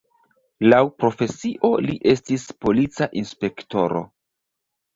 Laŭ profesio li estis polica inspektoro.